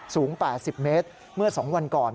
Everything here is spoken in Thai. สูง๘๐เมตรเมื่อ๒วันก่อน